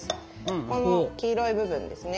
この黄色い部分ですね。